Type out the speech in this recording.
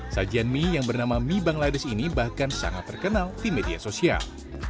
sajian mie yang bernama mie bangladesh ini bahkan sangat terkenal di media sosial